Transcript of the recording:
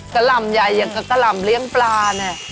หล่ำใหญ่อย่างกับกะหล่ำเลี้ยงปลาเนี่ย